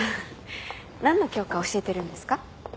何の教科教えてるんですか？